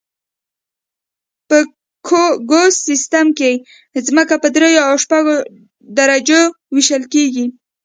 په ګوس سیستم کې ځمکه په دریو او شپږو درجو ویشل کیږي